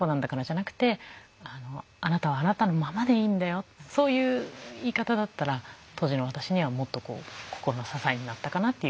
じゃなくて「あなたはあなたのままでいいんだよ」そういう言い方だったら当時の私にはもっと心の支えになったかなっていうふうに思います。